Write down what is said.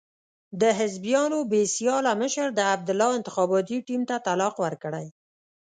د حزبیانو بې سیاله مشر د عبدالله انتخاباتي ټیم ته طلاق ورکړی.